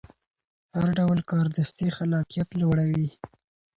هر ډول کاردستي خلاقیت لوړوي.